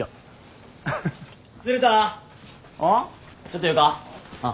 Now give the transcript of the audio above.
ちょっとよか？